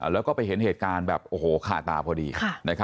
แล้วก็ไปเห็นเหตุการณ์แบบโอ้โหขาตาพอดี